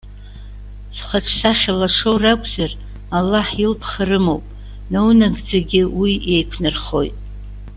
Зхаҿсахьа лашоу ракәзар; Аллаҳ илԥха рымоуп. Наунагӡагьы уи еиқәнархоит.